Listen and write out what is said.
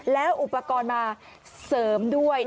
แล้วอุปกรณ์มาเสริมด้วย